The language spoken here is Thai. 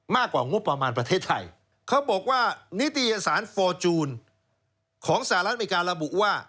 มากกว่างบประมาณประเทศไทยเขาบอกว่านิตยสารฟอร์จูนของสหรัฐอเมริการะบุว่า